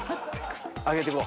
上げてこう。